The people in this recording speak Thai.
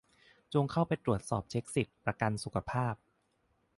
จงเข้าไปตรวจเช็คสิทธิ์ ประกันสุขภาพ